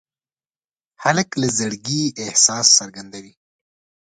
هلک له زړګي احساس څرګندوي.